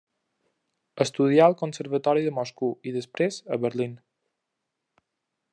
Estudià al Conservatori de Moscou i després a Berlín.